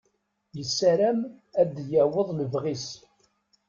Yessaram ad yaweḍ lebɣi-s.